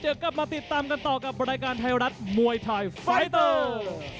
เจอกับมาติดตามกันต่อกับบริษัทไทยรัฐมวยไทยไฟเตอร์